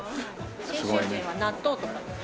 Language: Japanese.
信州人は納豆とかに。